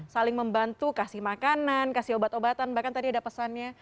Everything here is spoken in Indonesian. saling membantu kasih makanan kasih obat obatan bahkan tadi ada pesannya